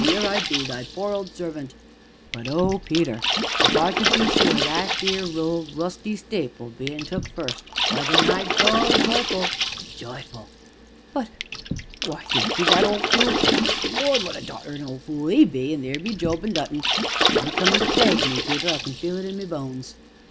''Ere I be, thy poor old servant' but oh, Peter! if I could be sure o' that theer old rusty stapil bein' took first, why then I'd go j'yful j'yful, but why theer be that old fule Amos Lord! what a dodderin' old fule 'e be, an' theer be Job, an' Dutton they be comin' to plague me, Peter, I can feel it in my bones.